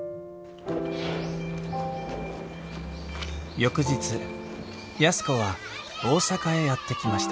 翌日安子は大阪へやって来ました